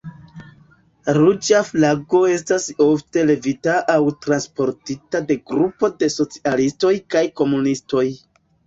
Ruĝa flago estas ofte levita aŭ transportita de grupo de socialistoj kaj komunistoj.